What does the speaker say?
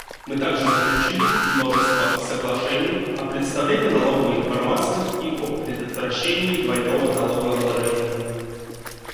Мы также заключили множество соглашений о предоставлении налоговой информации и о предотвращении двойного налогообложения.